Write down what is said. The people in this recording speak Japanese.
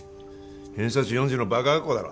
偏差値４０のバカ学校だろ